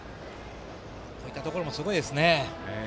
こういったところもすごいですね。